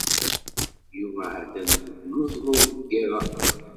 Yuba ha-t-an deg umeẓlu deg yiḍ-a.